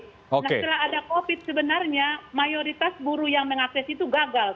nah setelah ada covid sebenarnya mayoritas buruh yang mengakses itu gagal